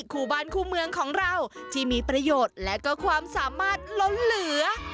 คู่บ้านคู่เมืองของเราที่มีประโยชน์และก็ความสามารถล้นเหลือ